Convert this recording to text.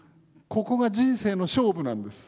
ここが人生の勝負なんです。